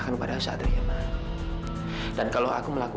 mama itu binatang dungu malu